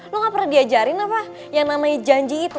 lo gak pernah diajarin apa yang namanya janji itu